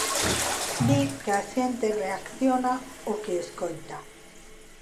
Di que a xente reacciona ao que escoita.